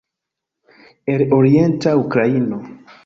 El orienta Ukraino